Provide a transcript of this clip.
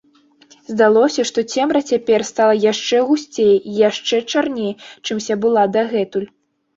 Здалося, што цемра цяпер стала яшчэ гусцей, яшчэ чарней, чымся была дагэтуль.